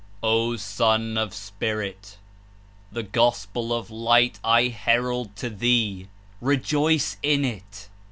''O Sou of Spirit/ The Gospel of Light I herald to thee: Rejoice in it!